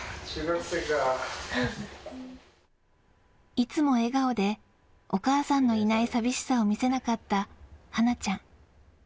いつも笑顔で、お母さんのいない寂しさを見せなかった、はなちゃん。